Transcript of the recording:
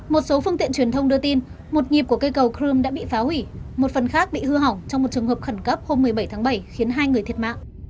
một số phương tiện truyền thông đưa tin một nhịp của cây cầu crimea đã bị phá hủy một phần khác bị hư hỏng trong một trường hợp khẩn cấp hôm một mươi bảy tháng bảy khiến hai người thiệt mạng